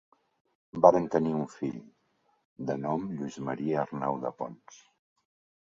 Varen tenir un fill, de nom Lluís Maria Arnau de Pons.